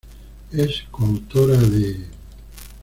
Es coautora de